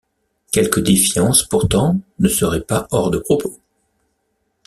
Quelque défiance pourtant ne serait pas hors de propos.